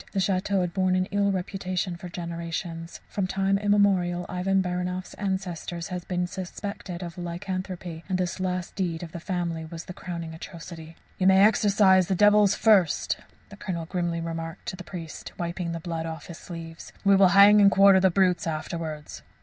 The château had borne an ill reputation for generations. From time immemorial Ivan Baranoff's ancestors had been suspected of lycanthropy, and this last deed of the family was their crowning atrocity. "You may exorcize the devils first," the Colonel grimly remarked to the priest, wiping the blood off his sleeves. "We will hang and quarter the brutes afterwards."